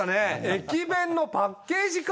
駅弁のパッケージか。